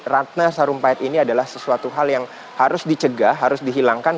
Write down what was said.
ratna sarumpait ini adalah sesuatu hal yang harus dicegah harus dihilangkan